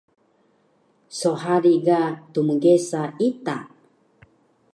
So hari ga tmgesa ita